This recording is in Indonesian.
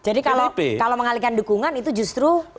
jadi kalau mengalihkan dukungan itu justru baik